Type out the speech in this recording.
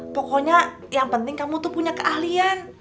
pokoknya yang penting kamu tuh punya keahlian